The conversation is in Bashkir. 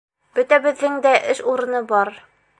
Бөтәбеҙҙең дә эш урыны бар.